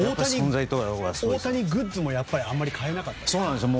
大谷グッズもあんまり買えなかったんですか？